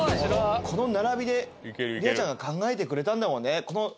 この並びでりあちゃんが考えてくれたんだもんね